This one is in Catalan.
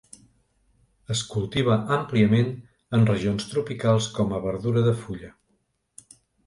Es cultiva àmpliament en regions tropicals com a verdura de fulla.